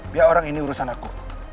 biar orang ini urusan aku